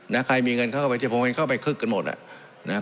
นะใครมีเงินเข้าไปเที่ยวผมเห็นเข้าไปคึกกันหมดล่ะนะ